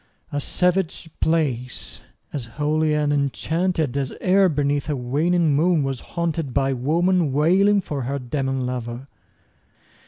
A savage place! as holy and enchanted As e'er beneath a waning moon was haunted 15 By woman wailing for her demon lover!